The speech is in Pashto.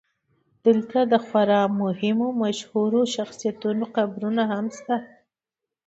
دلته د خورا مهمو مشهورو شخصیتونو قبرونه هم شته.